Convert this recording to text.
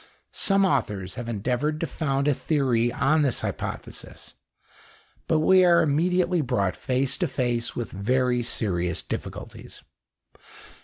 Some authors have endeavoured to found a theory on this hypothesis, but we are immediately brought face to face with very serious difficulties.